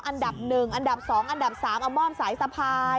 อันดับหนึ่งอันดับสองอันดับสามเอาม่อมสายสะพาย